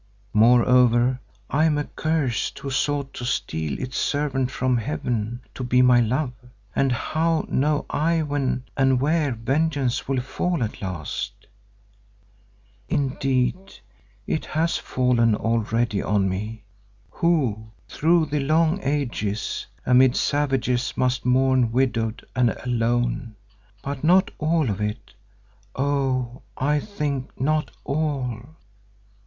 Moreover I am accursed who sought to steal its servant from Heaven to be my love, and how know I when and where vengeance will fall at last? Indeed, it has fallen already on me, who through the long ages amid savages must mourn widowed and alone, but not all of it—oh! I think, not all."